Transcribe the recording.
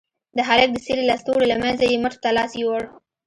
د هلك د څيرې لستوڼي له منځه يې مټ ته لاس يووړ.